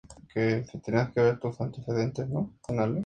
Wilfredo Ponce Ponce.